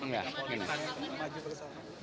pengen ikut maju